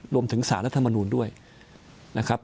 รวมถึงศาสนัทธรรมนุนด้วยนะครับ